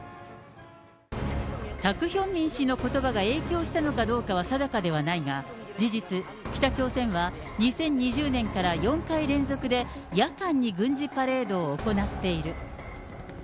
タク・ヒョンミン氏のことばが影響したのかどうかは定かではないが、事実、北朝鮮は２０２０年から４回連続で夜間に軍事パレードを行っている。